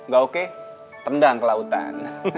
gak oke tendang ke lautan